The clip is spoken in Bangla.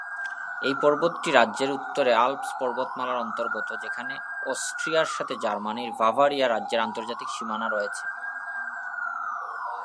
এই পর্বতটি রাজ্যের উত্তরে আল্পস পর্বতমালার অন্তর্গত, যেখানে অস্ট্রিয়ার সাথে জার্মানির বাভারিয়া রাজ্যের আন্তর্জাতিক সীমানা রয়েছে।